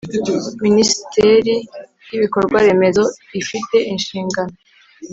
Minisiteri y Ibikorwa Remezo ifite inshingano